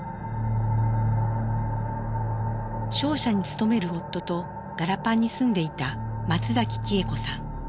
商社に勤める夫とガラパンに住んでいた松崎喜恵子さん。